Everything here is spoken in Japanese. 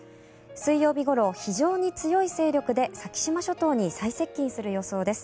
水曜日ごろ、非常に強い勢力で先島諸島に最接近する予想です。